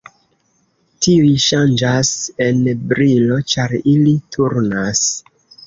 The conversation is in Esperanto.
Tiuj ŝanĝas en brilo ĉar ili turnas.